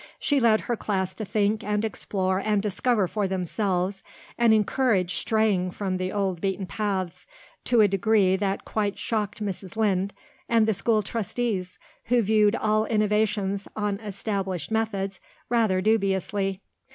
She led her class to think and explore and discover for themselves and encouraged straying from the old beaten paths to a degree that quite shocked Mrs. Lynde and the school trustees, who viewed all innovations on established methods rather dubiously.